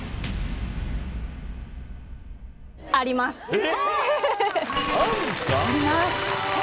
え！